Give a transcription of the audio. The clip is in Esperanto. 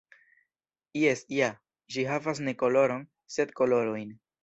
Jes ja, ĝi havas ne koloron, sed kolorojn.